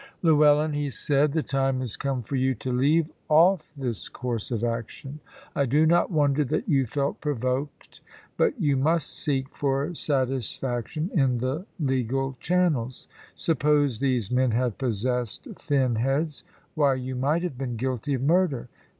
"Llewellyn," he said, "the time is come for you to leave off this course of action. I do not wonder that you felt provoked; but you must seek for satisfaction in the legal channels. Suppose these men had possessed thin heads, why you might have been guilty of murder!